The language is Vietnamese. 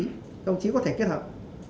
các ông chí có thể kết hợp